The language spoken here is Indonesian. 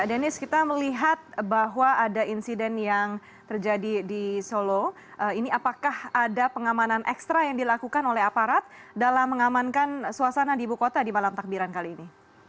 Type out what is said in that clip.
deniz kita melihat bahwa ada insiden yang terjadi di solo ini apakah ada pengamanan ekstra yang dilakukan oleh aparat dalam mengamankan suasana di ibu kota di malam takbiran kali ini